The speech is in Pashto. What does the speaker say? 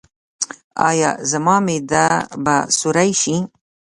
ایا زما معده به سورۍ شي؟